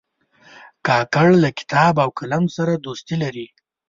کاکړ له کتاب او قلم سره دوستي لري.